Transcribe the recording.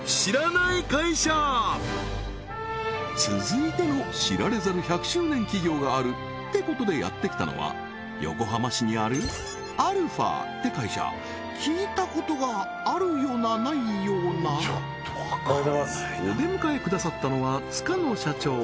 続いての知られざる１００周年企業があるってことでやって来たのは横浜市にあるアルファって会社聞いたことがあるようなないようなおはようございますお出迎えくださったのは塚野社長